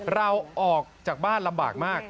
ออกจากบ้านลำบากมาก